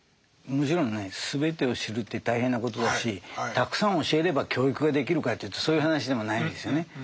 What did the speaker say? もちろんね全てを知るって大変なことだしたくさん教えれば教育ができるかというとそういう話でもないんですよね。